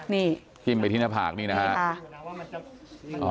นี่ทิมไปที่หน้าผากนี้นะฮะ